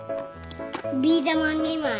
びーだま２まい。